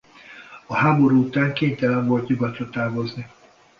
A háború után kénytelen volt nyugatra távozni.